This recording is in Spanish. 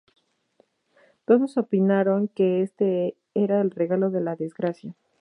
Todos opinaron que este era el regalo de la desgracia.